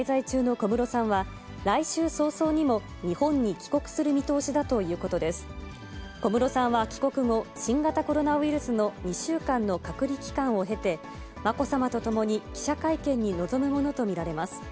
小室さんは帰国後、新型コロナウイルスの２週間の隔離期間を経て、まこさまと共に、記者会見に臨むものと見られます。